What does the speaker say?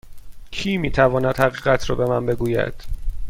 کی می تواند حقیقت را به من بگوید؟